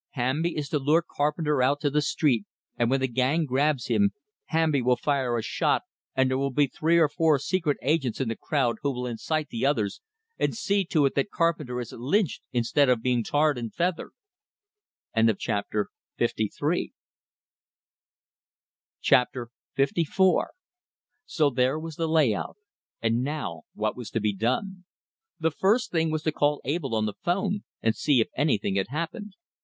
Hamby is to lure Carpenter out to the street, and when the gang grabs him, Hamby will fire a shot, and there will be three or four secret agents in the crowd, who will incite the others, and see to it that Carpenter is lynched instead of being tarred and feathered!" LIV So there was the layout; and now, what was to be done? The first thing was to call Abell on the phone, and see if anything had happened.